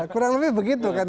kurang lebih begitu kan